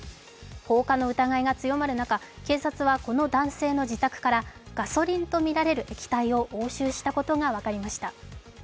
放火の疑いが強まる中、警察はこの男性の自宅からガソリンとみられる液体を押収したことが分かりました。